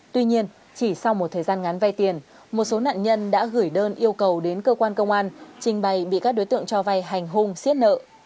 tuy nhiên chỉ sau một thời gian ngắn vay tiền một số nạn nhân đã gửi đơn yêu cầu đến cơ quan công an trình bày bị các đối tượng cho vay hành hung siết nợ